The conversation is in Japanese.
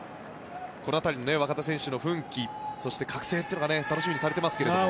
この辺りの若手選手の奮起、覚醒というのが楽しみにされていますけれども。